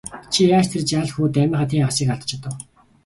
Чи яаж тэр жаал хүүд армийнхаа тэн хагасыг алдаж чадав?